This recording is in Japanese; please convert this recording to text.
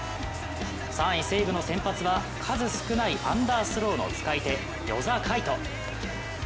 ３位・西武の先発は数少ないアンダースローの使い手、與座海人。